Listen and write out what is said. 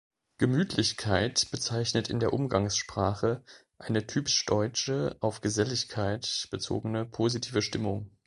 Gemütlichkeit bezeichnet in der Umgangssprache eine typisch deutsche auf Geselligkeit bezogene positive Stimmung.